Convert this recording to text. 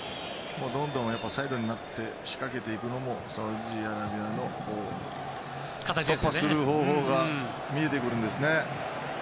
どんどんサイド走って仕掛けていくのもサウジアラビアも突破する方法が見えてくるんですよね。